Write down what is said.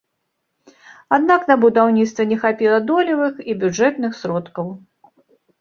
Аднак на будаўніцтва не хапіла долевых і бюджэтных сродкаў.